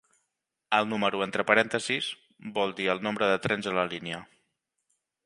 El número entre parèntesis vol dir el nombre de trens a la línia.